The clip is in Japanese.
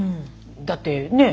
だってねえ。